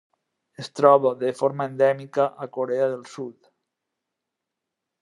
Es troba de forma endèmica a Corea del Sud.